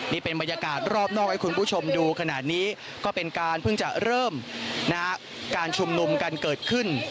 นี่เป็นบรรยากาศรอบนอกให้คุณผู้ชมดูขนาดนี้ก็เป็นการเพิ่งจะเริ่มการชุมนุมกันเกิดขึ้น